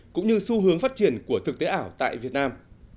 cũng như xu hướng phát triển của thực tế ảo tại việt nam